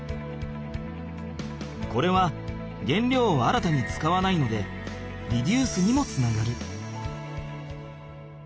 これはげんりょうを新たに使わないのでリデュースにもつながる。